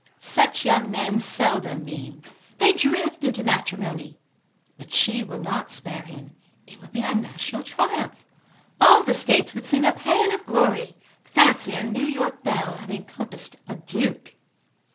Such young men seldom mean. They drift into matrimony. But she will not spare him. It would be a national triumph. All the States would sing a pæan of glory. Fancy a New York belle having compassed a Duke!"